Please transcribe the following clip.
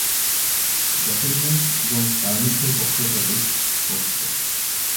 Battlement এবং কার্নিশের বক্রতা বেশ স্পষ্ট।